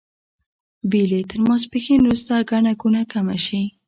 ویل یې تر ماسپښین وروسته ګڼه ګوڼه کمه شي.